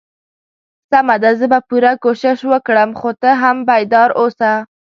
سمه ده زه به پوره کوشش وکړم خو ته هم بیدار اوسه.